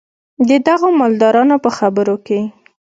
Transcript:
د دغو مالدارانو په خبرو کې.